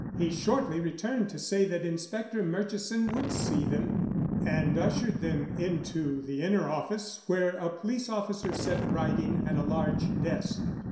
He shortly returned to say that Inspector Murchison would see them, and ushered them into the inner office, where a police officer sat writing at a large desk.